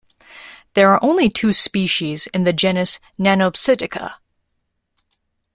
There are only two species in the genus "Nannopsittaca".